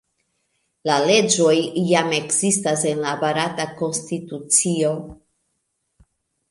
La leĝoj jam ekzistas en la barata konstitucio.